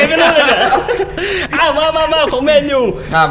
โอเคโอเคอ่ะข้ามไปครับ